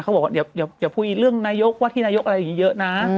เขาบอกว่าอย่าพูดเรื่องนายกว่าที่นายกอะไรอย่างนี้เยอะนะ